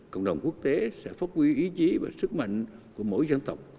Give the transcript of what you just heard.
cộng đồng quốc tế sẽ phát huy ý chí và sức mạnh của mỗi dân tộc